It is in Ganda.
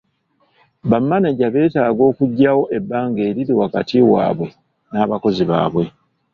Bamaneja beetaaga okuggyawo ebbanga eriri wakati waabwe n'abakozi baabwe.